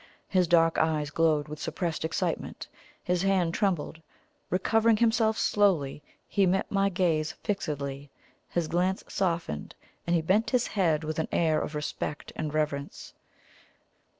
His dark eyes glowed with suppressed excitement his hand trembled. Recovering himself slowly, he met my gaze fixedly; his glance softened, and he bent his head with an air of respect and reverence.